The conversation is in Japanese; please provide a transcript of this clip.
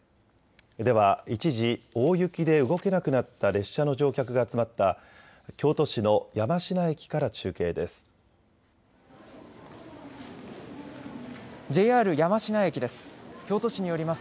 では一時、大雪で動けなくなった列車の乗客が集まった京都市の山科駅から中継です。